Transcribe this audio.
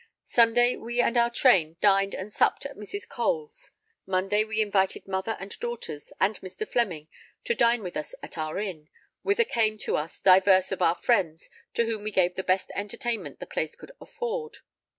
Sunday, we and our train dined and supped at Mrs. Cole's. Monday, we invited mother and daughters and Mr. Fleming to dine with us at our inn, whither came to us divers of our friends to whom we gave the best entertainment the place could afford.